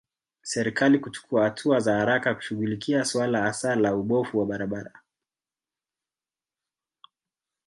Serikali kuchukua hatua za haraka kushughulikia suala hasa la ubovu wa barabara